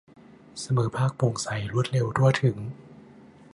เสมอภาค โปร่งใส รวดเร็ว ทั่วถึง